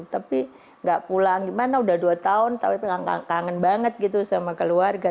tapi nggak pulang gimana udah dua tahun tapi kangen banget gitu sama keluarga